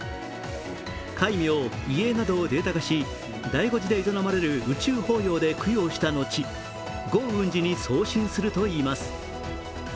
戒名・遺影などをデータ化し、醍醐寺で営まれる宇宙法要で供養した後、劫蘊寺に送信するといいます。